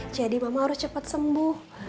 jadi mama harus cepet sembuh